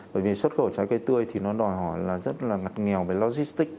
bởi vì xuất khẩu trái cây tươi thì nó đòi hỏi là rất là ngặt nghèo về logistics